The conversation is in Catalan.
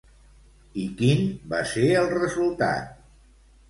I quin va ser el resultat?